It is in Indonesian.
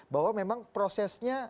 bahwa memang prosesnya